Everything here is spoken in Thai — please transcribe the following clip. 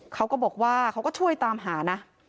เขาก็บอกว่าเขาก็ช่วยตามหานะ